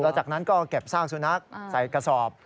แล้วจากนั้นก็เก็บซากสุนัขใส่กระสอบ